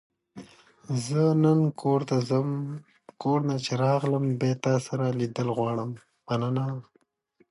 د ژوند نښې د سانتیاګو لار روښانه کوي.